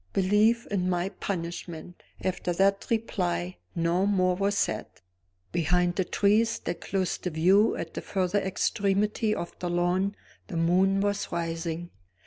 "Believe in my punishment!" After that reply, no more was said. Behind the trees that closed the view at the further extremity of the lawn the moon was rising.